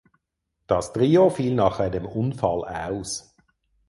Das Trio fiel nach einem Unfall aus.